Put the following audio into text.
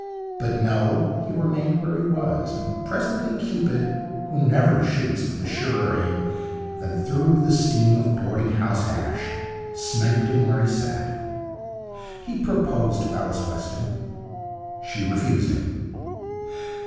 But no, he remained where he was, and presently Cupid, who never shoots with a surer aim than through the steam of boarding house hash, sniped him where he sat. He proposed to Alice Weston. She refused him.